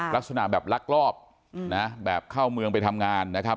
ลักษณะแบบลักลอบนะแบบเข้าเมืองไปทำงานนะครับ